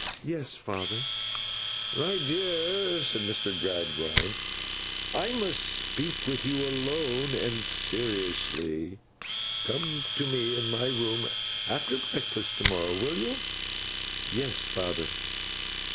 'Yes, father.' 'My dear,' said Mr. Gradgrind, 'I must speak with you alone and seriously. Come to me in my room after breakfast to morrow, will you?' 'Yes, father.